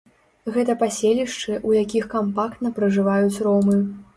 Гэта паселішчы, у якіх кампактна пражываюць ромы.